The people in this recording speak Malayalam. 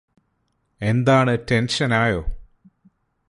എന്താണ് ടെൻഷനായോ